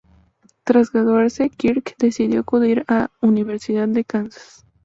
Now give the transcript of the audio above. Tras graduarse Kirk decidió acudir a Universidad de Kansas.